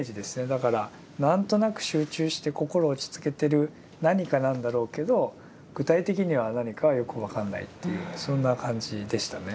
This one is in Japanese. だから何となく集中して心を落ち着けてる何かなんだろうけど具体的には何かはよく分かんないというそんな感じでしたね。